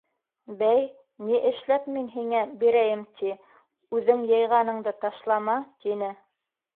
— Бәй, ни эшләп мин һиңә бирәйем ти, үҙең йыйғаныңды ташлама! — тине.